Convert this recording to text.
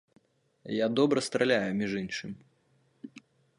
Я добра страляю, між іншым.